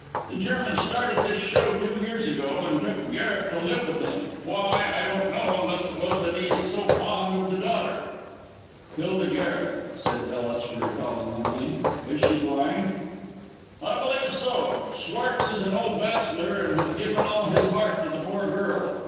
The German started this show two years ago, and took Garret to live with him; why, I don't know, unless it is that he is so fond of the daughter." "Hilda Garret," said Ellis, recalling the name; "is she blind?" "I believe so. Schwartz is an old bachelor, and has given all his heart to the poor girl.